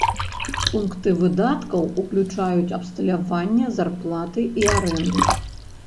Пункты выдаткаў уключаюць абсталяванне, зарплаты і арэнду.